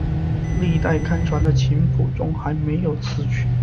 历代刊传的琴谱中还没有此曲。